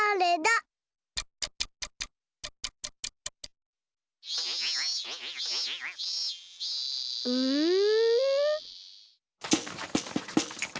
うん？